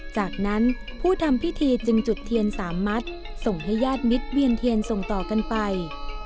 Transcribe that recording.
จากนั้นผู้ทำพิธีจึงจุดเทียน๓มัดส่งให้ญาติมิตรเวียนเทียนส่งต่อกันไป